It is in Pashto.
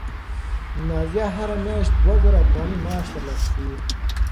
نازیه هره میاشت دوه زره افغانۍ معاش ترلاسه کوي.